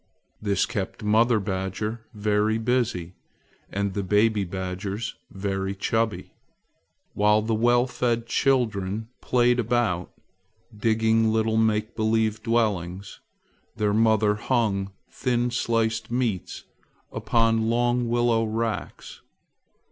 This kept mother badger very busy, and the baby badgers very chubby. While the well fed children played about, digging little make believe dwellings, their mother hung thin sliced meats upon long willow racks.